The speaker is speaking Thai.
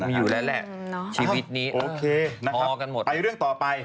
มีอยู่แล้วแหละชีวิตนี้โอเคพอกันหมดไปเรื่องต่อไป